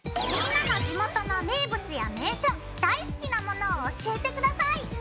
みんなの地元の名物や名所大好きなものを教えて下さい！